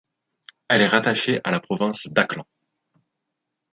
Elle est rattachée à la province d'Aklan.